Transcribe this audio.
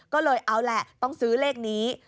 ก็เลยเอาแหละต้องซื้อเลขนี้